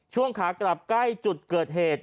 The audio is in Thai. ช่วงขากลับใกล้จุดเกิดเหตุ